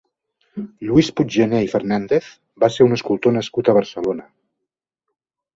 Lluís Puiggener i Fernández va ser un escultor nascut a Barcelona.